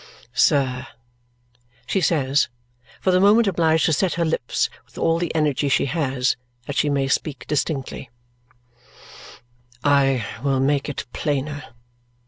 "Sir," she says, for the moment obliged to set her lips with all the energy she has, that she may speak distinctly, "I will make it plainer.